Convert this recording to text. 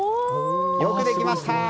よくできました！